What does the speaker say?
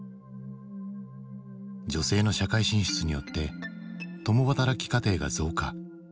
女性の社会進出によって共働き家庭が増加。